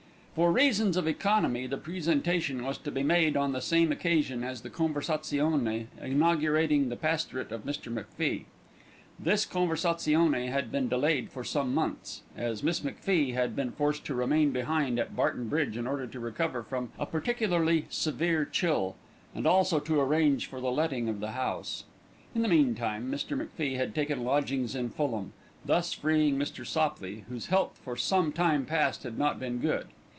For reasons of economy the presentation was to be made on the same occasion as the conversazione inaugurating the pastorate of Mr. MacFie. This conversazione had been delayed for some months, as Miss MacFie had been forced to remain behind at Barton Bridge in order to recover from a particularly severe chill, and also to arrange for the letting of the house. In the meantime Mr. MacFie had taken lodgings in Fulham, thus freeing Mr. Sopley, whose health for some time past had not been good.